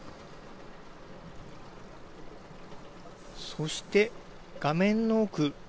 そして画面の奥